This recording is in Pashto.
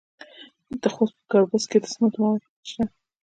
د خوست په ګربز کې د سمنټو مواد شته.